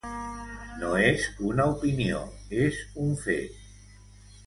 No és una opinió, és un fet.